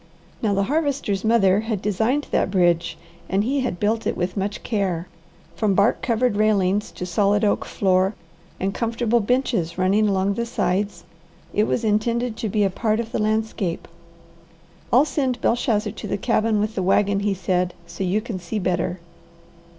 Now the Harvester's mother had designed that bridge and he had built it with much care. From bark covered railings to solid oak floor and comfortable benches running along the sides it was intended to be a part of the landscape. "I'll send Belshazzar to the cabin with the wagon," he said, "so you can see better."